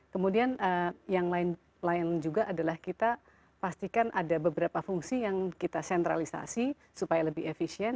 kemudian yang lain juga adalah kita pastikan ada beberapa fungsi yang kita sentralisasi supaya lebih efisien